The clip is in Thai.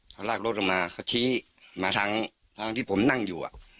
เขาลากรถลงมาเขาชี้มาทางที่ผมนั่งอยู่